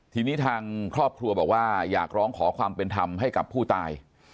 ทีนี้ทางครอบครัวบอกว่าอยากร้องขอความเป็นธรรมให้กับผู้ตาย